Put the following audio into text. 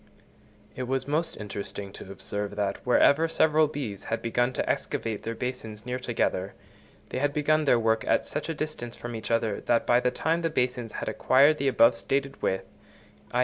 It was most interesting to observe that, wherever several bees had begun to excavate these basins near together, they had begun their work at such a distance from each other that by the time the basins had acquired the above stated width (_i.